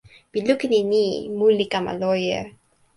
mi lukin e ni: mun li kama loje.